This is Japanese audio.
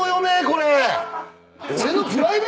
これ！